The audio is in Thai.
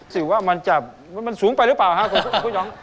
สิว่ามันจะมันสูงไปหรือเปล่าครับคุณหยอง